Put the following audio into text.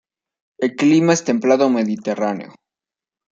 El clima es templado mediterráneo.